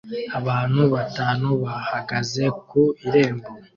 Abantu batanu bahagaze ku irembo